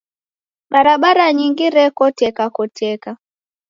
Barabara nyingi rekotekakoteka.